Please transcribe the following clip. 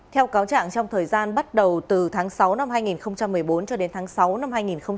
theo cáo trạng trong thời gian bắt đầu từ tháng sáu năm hai nghìn một mươi bốn cho đến tháng sáu năm hai nghìn một mươi chín